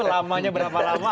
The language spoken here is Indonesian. lamanya berapa lama